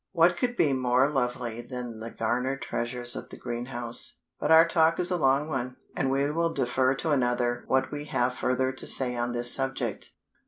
What could be more lovely among the garnered treasures of the greenhouse? But our talk is a long one, and we will defer to another what we have further to say on this subject.